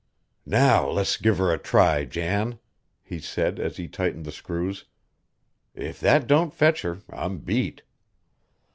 "Now let's give her a try, Jan," he said, as he tightened the screws. "If that don't fetch her I'm beat."